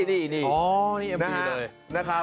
อ๋อนี่เองดีเลย